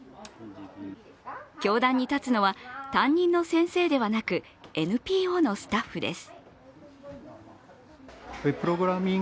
教壇に立つのは担任の先生ではなくＮＰＯのスタッフです。